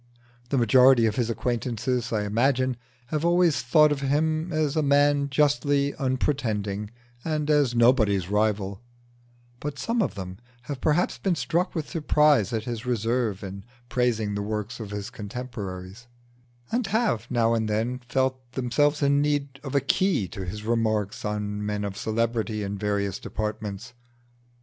The majority of his acquaintances, I imagine, have always thought of him as a man justly unpretending and as nobody's rival; but some of them have perhaps been struck with surprise at his reserve in praising the works of his contemporaries, and have now and then felt themselves in need of a key to his remarks on men of celebrity in various departments.